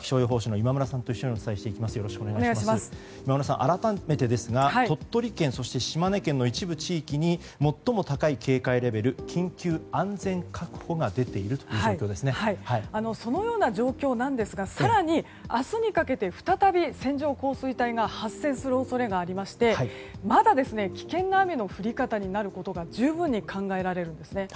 今村さん、改めてですが鳥取県そして島根県の一部地域に最も高い警戒レベル緊急安全確保がそのような状況なんですが更に明日にかけて再び線状降水帯が発生する恐れがありましてまだ危険な雨の降り方になることが十分に考えられるんですね。